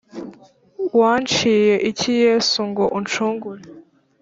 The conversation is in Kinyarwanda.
Wanciye iki yesu ngo uncungure